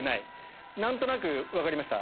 何となく分かりました？